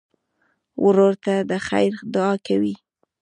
ورور ته د خیر دعا کوې.